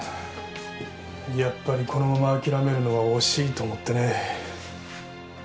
やっぱりこのまま諦めるのは惜しいと思ってね。